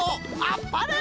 あっぱれ！